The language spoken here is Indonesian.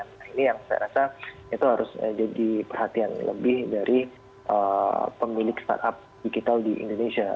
nah ini yang saya rasa itu harus jadi perhatian lebih dari pemilik startup digital di indonesia